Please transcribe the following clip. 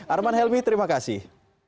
arman helmi terima kasih